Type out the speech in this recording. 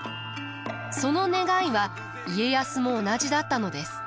その願いは家康も同じだったのです。